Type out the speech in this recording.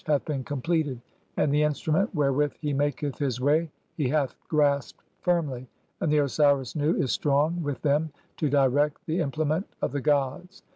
hath 'been completed, and the instrument wherewith he maketh his 'way he hath grasped firmly ; and the Osiris Nu is strong (3) 'with them to direct the implement of the gods.